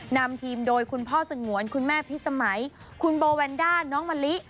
นำทีมโดยคุณพ่อสงวนคุณแม่พิสมัยคุณโบแวนด้าน้องมะลิ